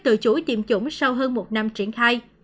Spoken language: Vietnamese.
tự chủ tiệm chủng sau hơn một năm triển khai